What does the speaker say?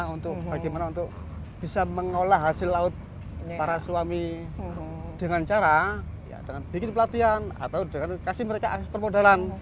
untuk bagaimana untuk bisa mengolah hasil laut para suami dengan cara dengan bikin pelatihan atau dengan kasih mereka akses permodalan